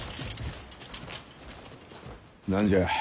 何じゃ？